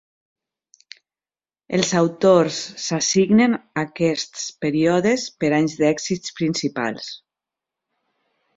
Els autors s"assignen a aquests períodes per anys d"èxits principals.